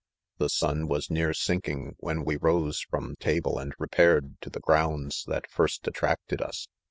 The sun was near sinking when we rose from table and repaired to the grounds that first at tracted us.